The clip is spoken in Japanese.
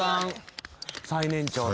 最年長で。